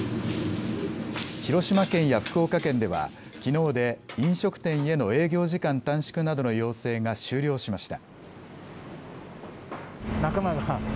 広島県や福岡県ではきのうで飲食店への営業時間短縮などの要請が終了しました。